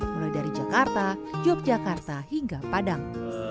mulai dari jakarta yogyakarta hingga padang